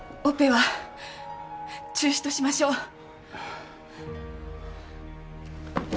オペは中止としましょう。